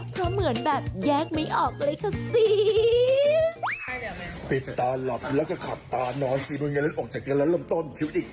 เพราะเหมือนแบบแยกไม่ออกเลยค่ะสิ